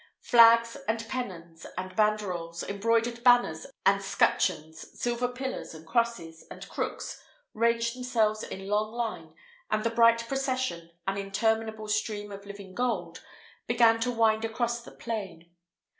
Flags, and pennons, and banderols, embroidered banners and scutcheons, silver pillars, and crosses, and crooks, ranged themselves in long line, and the bright procession, an interminable stream of living gold, began to wind across the plain.